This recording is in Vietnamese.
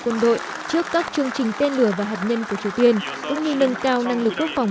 quân đội trước các chương trình tên lửa và hạt nhân của triều tiên cũng như nâng cao năng lực quốc phòng